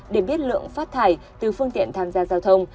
để biết lượng phát thải từ phương tiện tham gia giao thông